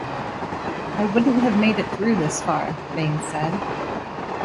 I wouldn't have made it through this far, Bain said.